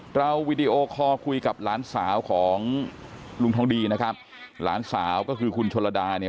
วีดีโอคอลคุยกับหลานสาวของลุงทองดีนะครับหลานสาวก็คือคุณชนระดาเนี่ย